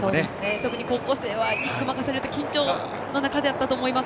特に高校生は１区を任されて緊張感の中だったと思います。